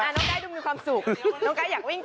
น้องไกดูมีความสุขน้องไก๊อยากวิ่ง